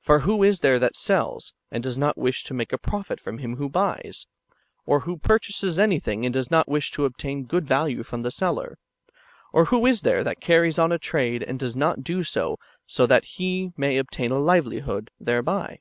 For wdio is there that sells, and does not wish to make a profit from him who buys ? Or who purchases any thing, and does not wish to obtain good value from the seller ? Or who is there that carries on a trade, and does not do so that he may obtain a livelihood thereby